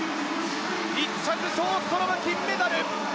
１着ショーストロム金メダル。